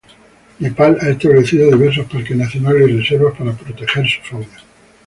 Nepal ha establecido diversos Parques Nacionales y reservas para proteger su fauna.